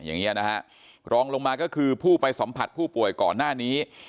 อย่างนี้นะฮะรองลงมาก็คือผู้ไปสัมผัสผู้ป่วยก่อนหน้านี้